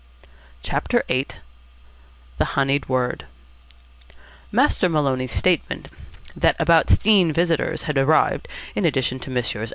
CHAPTER VIII THE HONEYED WORD Master Maloney's statement that "about 'steen visitors" had arrived in addition to Messrs.